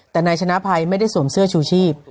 แต่นายชนะภัยไม่ได้สวมเสื้อชูชีพ